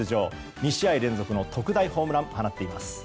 ２試合連続の特大ホームランを放っています。